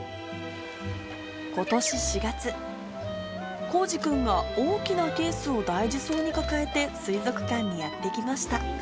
ことし４月、孝治君が大きなケースを大事そうに抱えて水族館にやって来ました。